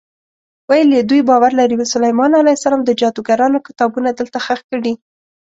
ویل یې دوی باور لري سلیمان علیه السلام د جادوګرانو کتابونه دلته ښخ کړي.